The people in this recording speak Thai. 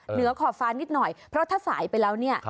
เหนือขอบฟ้านิดหน่อยเพราะถ้าสายไปแล้วเนี่ย